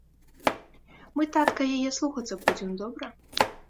Мы, татка, яе слухацца будзем, добра?